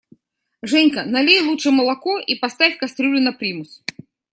Женька, налей лучше молоко и поставь кастрюлю на примус!